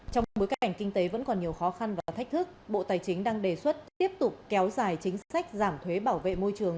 trong bối cảnh kinh tế vẫn còn nhiều khó khăn và thách thức bộ tài chính đang đề xuất tiếp tục kéo dài chính sách giảm thuế bảo vệ môi trường